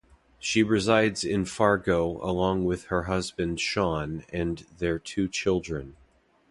She resides in Fargo along with her husband Shawn and their two children.